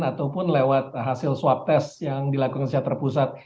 ataupun lewat hasil swab test yang dilakukan secara terpusat